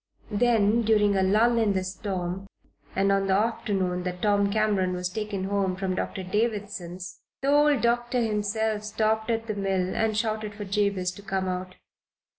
Then, during a lull in the storm, and on the afternoon that Tom Cameron was taken home from Dr. Davison's, the old doctor himself stopped at the mill and shouted for Jabez to come out.